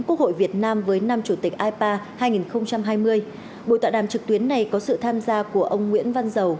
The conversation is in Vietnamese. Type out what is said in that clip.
quốc hội việt nam với năm chủ tịch ipa hai nghìn hai mươi buổi tọa đàm trực tuyến này có sự tham gia của ông nguyễn văn dầu